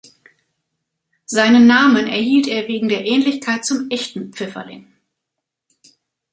Seinen Namen erhielt er wegen der Ähnlichkeit zum Echten Pfifferling.